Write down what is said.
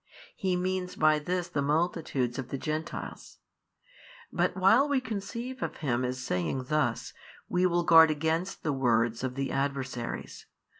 He means by these the multitude of the Gentiles. But while we conceive of Him as saying thus, we will guard against the words of the adversaries.